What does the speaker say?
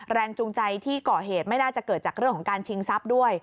แรงจูงใจที่ก่อเหตุไม่น่าจะเกิดจากเรื่องของการชิงทรัพย์ด้วย